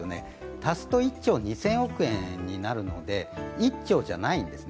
足すと１兆２０００億円になるので、１兆じゃないんですね、